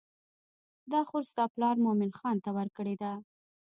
دا خور ستا پلار مومن خان ته ورکړې ده.